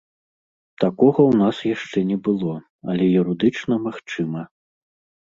Такога ў нас яшчэ не было, але юрыдычна магчыма.